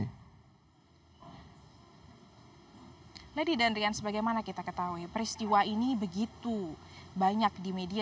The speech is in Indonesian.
jadi bagaimana kita ketahui peristiwa ini begitu banyak di media